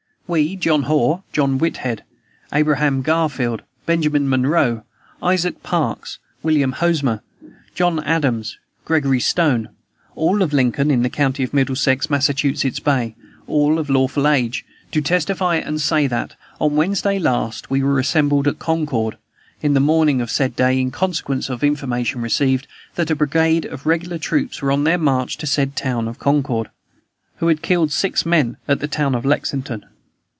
"We, John Hoar, John Whithead, Abraham Garfield, Benjamin Munroe, Isaac Parks, William Hosmer, John Adams, Gregory Stone, all of Lincoln, in the county of Middlesex, Massachusetts Bay, all of lawful age, do testify and say that, on Wednesday last, we were assembled at Concord, in the morning of said day, in consequence of information received that a brigade of regular troops were on their march to the said town of Concord, who had killed six men at the town of Lexington.